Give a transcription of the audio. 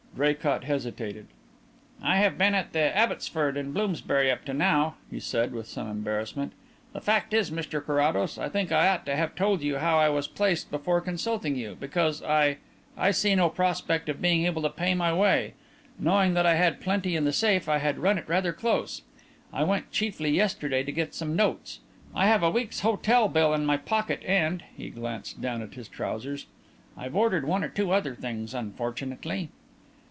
Draycott hesitated. "I have been at the Abbotsford, in Bloomsbury, up to now," he said, with some embarrassment. "The fact is, Mr Carrados, I think I ought to have told you how I was placed before consulting you, because I I see no prospect of being able to pay my way. Knowing that I had plenty in the safe, I had run it rather close. I went chiefly yesterday to get some notes. I have a week's hotel bill in my pocket, and" he glanced down at his trousers "I've ordered one or two other things unfortunately."